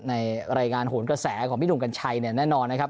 ในรายงานโหนกระแสของพี่หนุ่มกัญชัยเนี่ยแน่นอนนะครับ